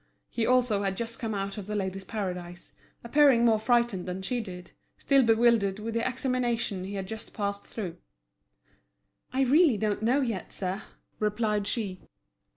He also had just come out of The Ladies' Paradise, appearing more frightened than she did, still bewildered with the examination he had just passed through. "I really don't know yet, sir," replied she.